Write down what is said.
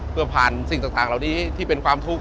เพื่อผ่านสิ่งต่างเหล่านี้ที่เป็นความทุกข์